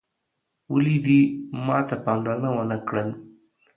ولي دې ماته پاملرنه وه نه کړل